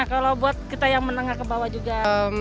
kalau buat kita yang menengah ke bawah juga